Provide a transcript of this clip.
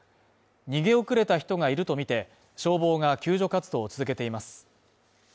逃げ遅れた人がいるとみて消防が救助活動を続けています。